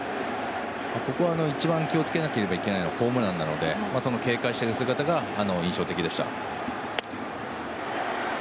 ここは一番気をつけなきゃいけないのはホームランなのでその警戒している姿が印象的でした。